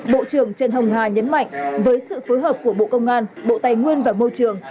bộ trưởng trần hồng hà nhấn mạnh với sự phối hợp của bộ công an bộ tài nguyên và môi trường